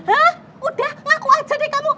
hah udah ngaku aja deh kamu